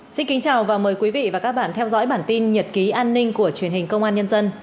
xin kính chào và mời quý vị và các bạn theo dõi bản tin nhật ký an ninh của truyền hình công an nhân dân